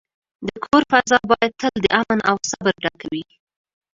د کور فضا باید تل د امن او صبر ډکه وي.